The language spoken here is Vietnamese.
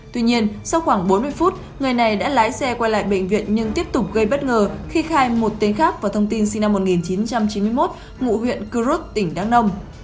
tuy nhiên sau khoảng bốn mươi phút người này đã lái xe quay lại bệnh viện nhưng tiếp tục gây bất ngờ khi khai một tên khác vào thông tin sinh năm một nghìn chín trăm chín mươi một ngôi huyện cruz tỉnh đắk nông